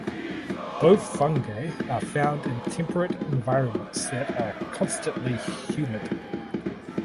Both fungi are found in temperate environments that are constantly humid.